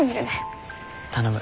頼む。